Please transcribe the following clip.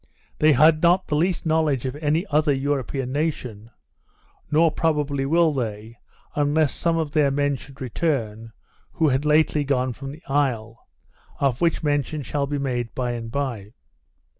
They had not the least knowledge of any other European nation, nor probably will they, unless some of those men should return who had lately gone from the isle, of which mention shall be made bye and bye.